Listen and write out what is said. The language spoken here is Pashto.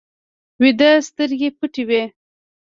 ویده سترګې پټې وي